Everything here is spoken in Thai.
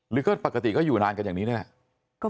หรือก็ปกติก็อยู่นานกันอย่างนี้นี่แหละ